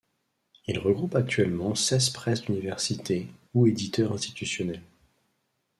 Il regroupe actuellement seize presses d'universités ou éditeurs institutionnels.